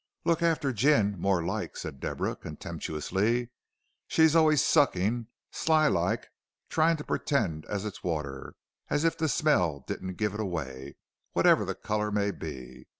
"Look arter gin more like," said Deborah, contemptuously. "She's allays suckin', sly like, tryin' to purtend as it's water, as if the smell didn't give it away, whatever the color may be.